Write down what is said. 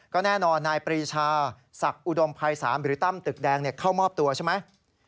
ก็แน่นอนนายปรีชาศักดิ์อุดมภัยศาลหรือตั้มตึกแดงเข้ามอบตัวใช่ไหม